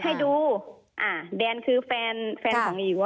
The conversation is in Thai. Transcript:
ให้ดูแดนคือแฟนของอิ๋วค่ะ